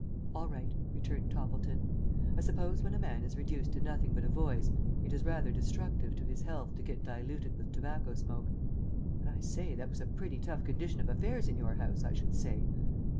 "All right," returned Toppleton. "I suppose when a man is reduced to nothing but a voice, it is rather destructive to his health to get diluted with tobacco smoke. But, I say, that was a pretty tough condition of affairs in your house I should say.